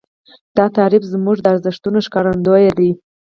دا تعریف زموږ د ارزښتونو ښکارندوی دی.